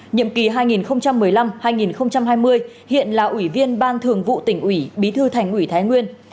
nhiệm kỳ hai nghìn một mươi năm hai nghìn hai mươi hiện là ủy viên ban thường vụ tỉnh ủy bí thư thành ủy thái nguyên